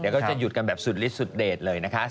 เดี๋ยวก็จะหยุดกันแบบสุดฤทธิ์สุดเดชเลยนะคะ